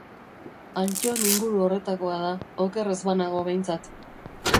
Antton inguru horretakoa da, oker ez banago behintzat.